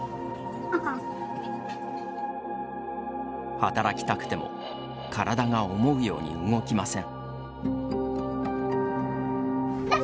働きたくても体が思うように動きません。